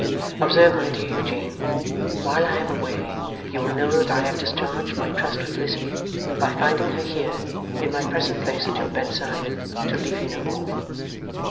Observe my dear Eugene; while I am away you will know that I have discharged my trust with Lizzie, by finding her here, in my present place at your bedside, to leave you no more.